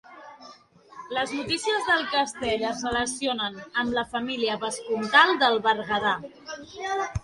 Les notícies del castell es relacionen amb la família vescomtal del Berguedà.